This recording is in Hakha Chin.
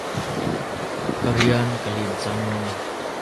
Ka rian ka lim cang.